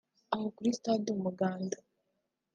aho kuri Stade Umuganda